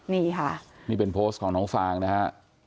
นี่ค่ะนี่เป็นโพสต์ของน้องฟางนะฮะ